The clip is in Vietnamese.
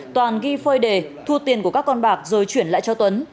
toàn ghi phơi đề thu tiền của các con bạc rồi chuyển lại cho tuấn